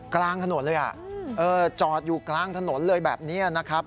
กลางถนนเลยจอดอยู่กลางถนนเลยแบบนี้นะครับ